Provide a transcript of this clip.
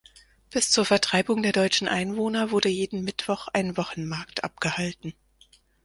Bis zur Vertreibung der deutschen Einwohner wurde jeden Mittwoch ein Wochenmarkt abgehalten.